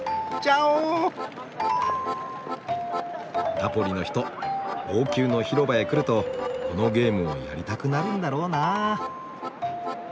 ナポリの人王宮の広場へ来るとこのゲームをやりたくなるんだろうな。